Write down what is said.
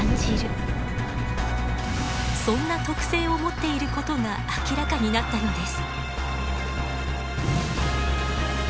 そんな特性を持っていることが明らかになったのです。